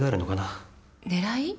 狙い？